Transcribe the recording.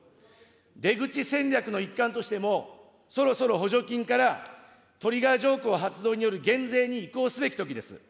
出口戦略の一環としても、そろそろ補助金からトリガー条項発動による減税に移行すべきときです。